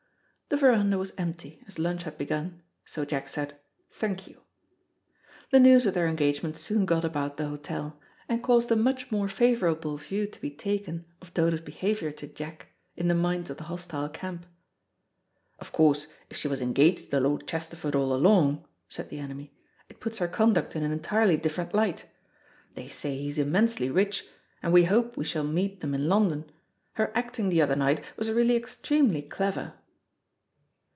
'" The verandah was empty, as lunch had begun; so Jack said, "Thank you." The news of their engagement soon got about the hotel, and caused a much more favourable view to be taken of Dodo's behaviour to Jack, in the minds of the hostile camp. "Of course, if she was engaged to Lord Chesterford all along," said the enemy, "it puts her conduct in an entirely different light. They say he's immensely rich, and we hope we shall meet them in London. Her acting the other night was really extremely clever."